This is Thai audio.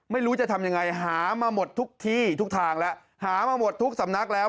ไม่รู้จะทำยังไงหามาหมดทุกที่ทุกทางแล้วหามาหมดทุกสำนักแล้ว